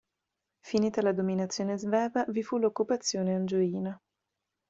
Finita la dominazione sveva, vi fu l'occupazione angioina.